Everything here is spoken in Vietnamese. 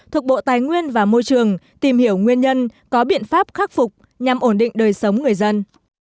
thuộc bộ tài nguyên và môi trường tìm hiểu nguyên nhân có biện pháp khắc phục nhằm ổn định đời sống người dân